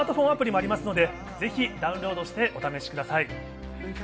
スマートフォンアプリもありますので、ぜひダウンロードしてお試しください。